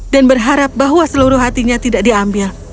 dan berharap bahwa seluruh hatinya tidak diambil